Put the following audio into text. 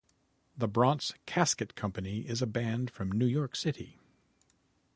The Bronx Casket Company is a band from New York City.